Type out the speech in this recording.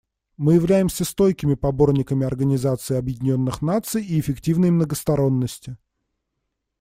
Мы являемся стойкими поборниками Организации Объединенных Наций и эффективной многосторонности.